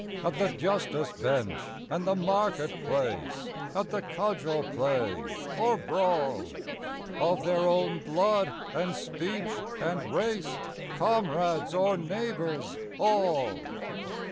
At the justice bench and the market place, At the cudgel play or brawl, Of their own blood and speech and race, Comrades or neighbours all